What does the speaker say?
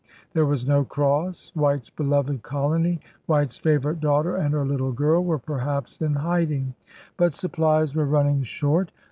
There was no cross. White's beloved colony. White's favorite daughter and her little girl, were perhaps in hiding. But supphes were running short.